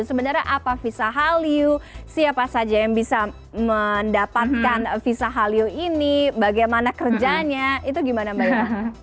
sebenarnya apa visa hallyu siapa saja yang bisa mendapatkan visa hallyu ini bagaimana kerjanya itu gimana mbak ya